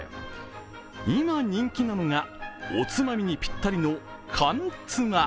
今、人気なのがおつまみにぴったりの缶つま。